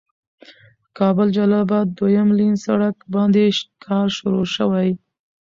کابل جلال آباد دويم لين سړک باندې کار شروع شوي.